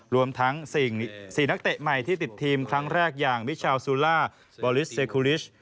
รวมทั้ง๔นักเตะใหม่ที่ติดทีมครั้งแรกอย่างมิชาวซูล่าบอลิสเซคูลิช